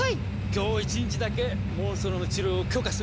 今日１日だけモンストロの治療を許可するわ。